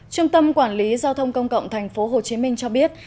trung tâm quản lý giao thông công cộng thành phố hồ chí minh cho biết